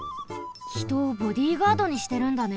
ひとをボディーガードにしてるんだね。